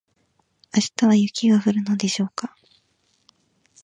明日は雪が降るのでしょうか